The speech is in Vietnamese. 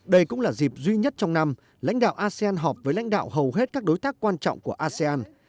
đây cũng là dịp duy nhất trong năm lãnh đạo asean họp với lãnh đạo hầu hết các đối tác quan trọng của asean